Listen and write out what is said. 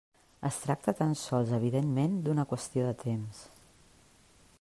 Es tracta tan sols evidentment d'una qüestió de temps.